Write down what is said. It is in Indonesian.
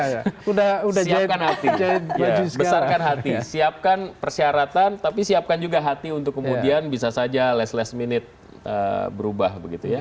siapkan hati besarkan hati siapkan persyaratan tapi siapkan juga hati untuk kemudian bisa saja last last minute berubah begitu ya